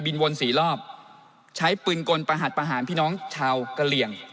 วนสี่รอบใช้ปืนกลประหัสประหารพี่น้องชาวกะเหลี่ยง